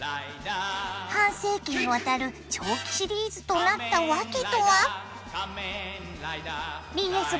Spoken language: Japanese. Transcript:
半世紀にわたる長期シリーズとなったわけとは？